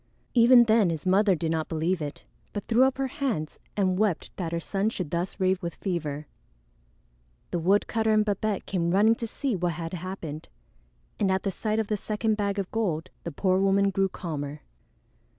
Even then his mother did not believe it, but threw up her hands and wept that her son should thus rave with fever. The woodcutter and Babette came running to see what had happened, and at the sight of the second bag of gold the poor woman grew calmer.